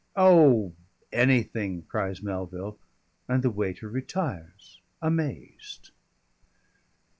"Oh, anything!" cries Melville, and the waiter retires amazed.